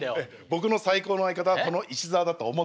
僕の最高の相方はこの石沢だと思っている。